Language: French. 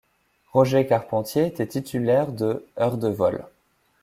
Roger Carpentier était titulaire de heures de vol.